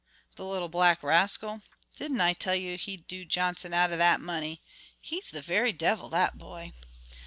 the little black rascal. Didn't I tell you he'd do Johnson out of that money? He's the very devil, that boy."